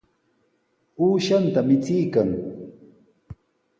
Uushanta michiykan.